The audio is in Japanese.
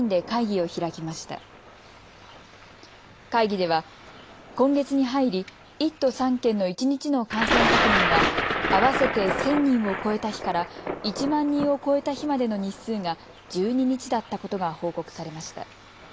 会議では今月に入り１都３県の一日の感染確認が合わせて１０００人を超えた日から１万人を超えた日までの日数が１２日だったことが報告されました。